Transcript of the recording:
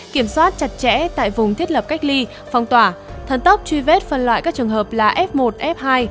kiểm soát chặt chẽ tại vùng thiết lập cách ly phong tỏa thần tốc truy vết phân loại các trường hợp là f một f hai